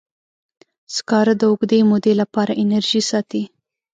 سکاره د اوږدې مودې لپاره انرژي ساتي.